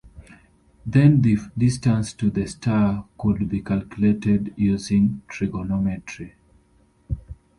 Then the distance to the star could be calculated using trigonometry.